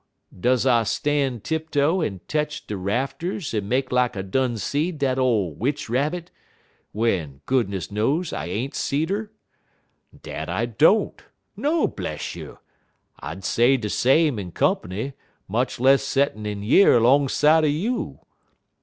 Does I stan' tiptoe en tetch de rafters en make lak I done seed dat ole Witch Rabbit, w'en, goodness knows, I ain't seed 'er? Dat I don't. No, bless you! I'd say de same in comp'ny, much less settin' in yer 'long side er you.